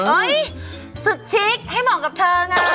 สุดชิคให้เหมาะกับเธอไง